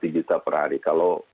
satu juta per hari kalau